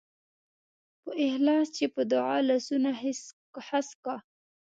په اخلاص چې په دعا لاسونه هسک کا.